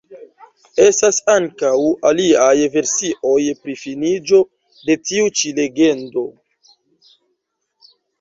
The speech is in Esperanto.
Estas ankaŭ aliaj versioj pri finiĝo de tiu ĉi legendo.